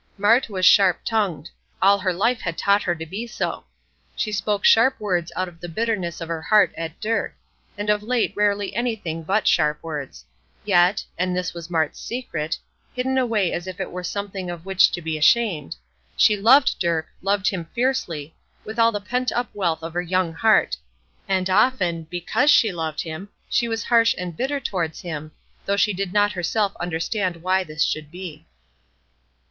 Mart was sharp tongued; all her life had taught her to be so. She spoke sharp words out of the bitterness of her heart at Dirk, and of late rarely anything but sharp words, yet and this was Mart's secret, hidden away as if it were something of which to be ashamed she loved Dirk, loved him fiercely, with all the pent up wealth of her young heart; and often, because she loved him, she was harsh and bitter towards him, though she did not herself understand why this should be.